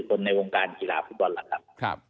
คนในวงการธีราภุตบอลนะครับ